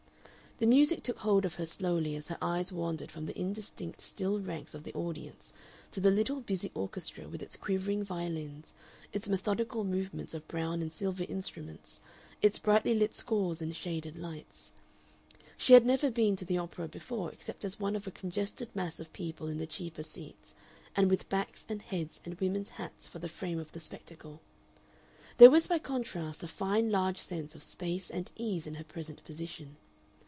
The music took hold of her slowly as her eyes wandered from the indistinct still ranks of the audience to the little busy orchestra with its quivering violins, its methodical movements of brown and silver instruments, its brightly lit scores and shaded lights. She had never been to the opera before except as one of a congested mass of people in the cheaper seats, and with backs and heads and women's hats for the frame of the spectacle; there was by contrast a fine large sense of space and ease in her present position.